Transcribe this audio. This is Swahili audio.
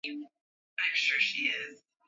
ngamia na ngombe